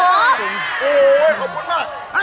โอ้โหขอบคุณมาก